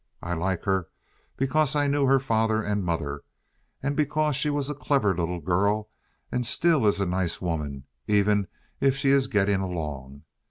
I like her because I knew her father and mother, and because she was a clever little girl and still is a nice woman, even if she is getting along.